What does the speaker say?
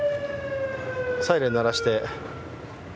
サイレン鳴らして。